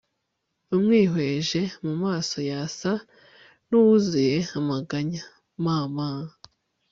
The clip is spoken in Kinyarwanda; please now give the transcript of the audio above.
umwihweje mumaso yasa nuwuzuye amaganya…Mama